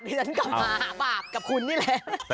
เดี๋ยวฉันกลับมาหาปากกับคุณนี่แหละ